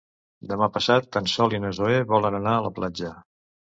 Demà passat en Sol i na Zoè volen anar a la platja.